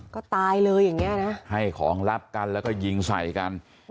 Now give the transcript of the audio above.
ก็ตายเลยอย่างเงี้ยนะให้ของลับกันแล้วก็ยิงใส่กัน